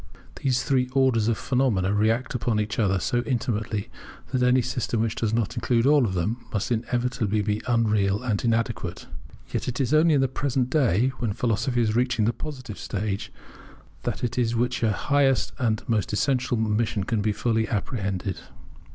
These three orders of phenomena react upon each other so intimately, that any system which does not include all of them must inevitably be unreal and inadequate. Yet it is only in the present day, when Philosophy is reaching the positive stage, that this which is her highest and most essential mission can be fully apprehended.